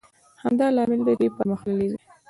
همدا لامل دی چې پرمختللی وي.